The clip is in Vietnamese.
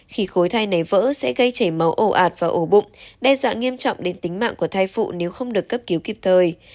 khi khối thai nấy vỡ sẽ gây chảy máu ổ ạt và ổ bụng đe dọa nghiêm trọng đến tính mạng của thai phụ nếu không được cấp cứu kịp thời